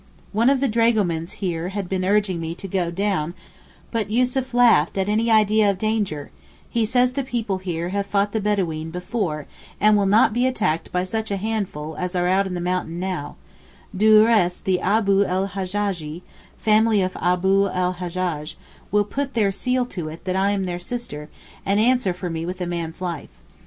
One of the dragomans here had been urging me to go down but Yussuf laughed at any idea of danger, he says the people here have fought the bedaween before and will not be attacked by such a handful as are out in the mountain now; du reste the Abu l Hajjajieh (family of Abu l Hajjaj) will 'put their seal' to it that I am their sister and answer for me with a man's life.